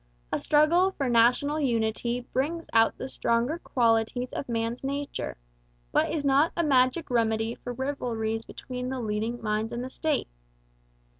A struggle for national unity brings out the stronger qualities of man's nature, but is not a magic remedy for rivalries between the leading minds in the state.